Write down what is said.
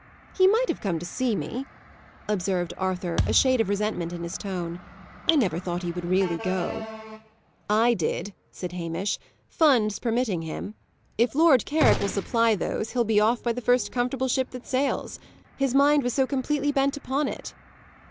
"He might have come to see me," observed Arthur, a shade of resentment in his tone. "I never thought he would really go." "I did," said Hamish, "funds permitting him. If Lord Carrick will supply those, he'll be off by the first comfortable ship that sails. His mind was so completely bent upon it."